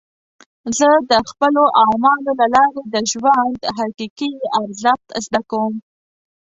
زه د خپلو اعمالو له لارې د ژوند حقیقي ارزښت زده کوم.